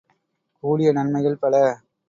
கூடிய நன்மைகள் பல.